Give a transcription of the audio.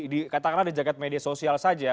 dikatakan ada jagad media sosial saja